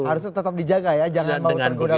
harusnya tetap dijaga ya jangan mau tergoda